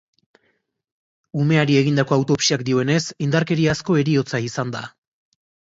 Umeari egindako autopsiak dioenez, indarkeriazko heriotza izan da.